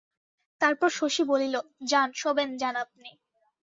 তারপর শশী বলিল, যান, শোবেন যান আপনি।